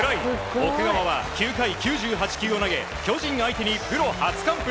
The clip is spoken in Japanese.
奥川は、９回９８球を投げ巨人相手にプロ初完封。